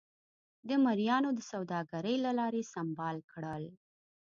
د مریانو د سوداګرۍ له لارې سمبال کړل.